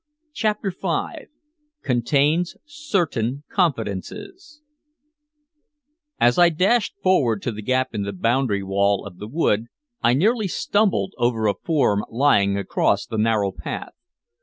CHAPTER V CONTAINS CERTAIN CONFIDENCES As I dashed forward to the gap in the boundary wall of the wood, I nearly stumbled over a form lying across the narrow path.